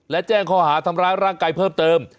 และแจ้งข้อหาทำร้ายร่างกายเพิ่มเติม